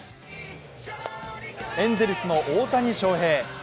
エンゼルスの大谷翔平。